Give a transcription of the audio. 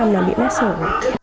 là bị mất sởi